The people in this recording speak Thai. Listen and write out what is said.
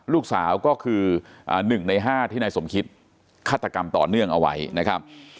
ลูกสาวก็คือ๑ใน๕ที่นายสมคิตฆาตกรรมต่อเนื่องเอาไว้นะครับ